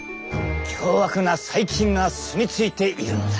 凶悪な細菌が住みついているのだ！